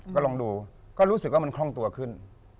ก็ลองดูก็รู้สึกว่ามันคล่องตัวขึ้น